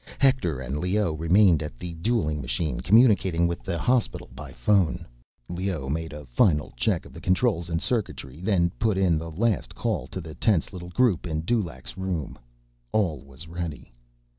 Hector and Leoh remained at the dueling machine, communicating with the hospital by phone. Leoh made a final check of the controls and circuitry, then put in the last call to the tense little group in Dulaq's room. All was ready.